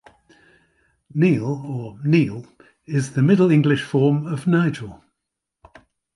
"Neal" or "Neall" is the Middle English form of "Nigel".